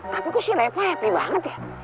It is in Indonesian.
tapi kok si reva happy banget ya